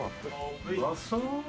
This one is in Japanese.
うまそう！